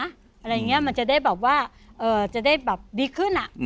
อะไรอย่างเงี้ยมันจะได้แบบว่าเอ่อจะได้แบบดีขึ้นอ่ะ